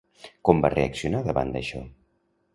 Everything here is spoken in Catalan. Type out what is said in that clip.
Com va reaccionar davant d'això?